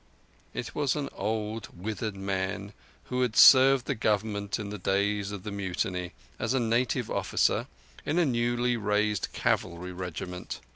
It was an old, withered man, who had served the Government in the days of the Mutiny as a native officer in a newly raised cavalry regiment.